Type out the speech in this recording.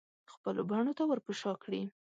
خپلو بڼو ته ورپه شا کړي